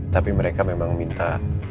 tapi mereka memang minta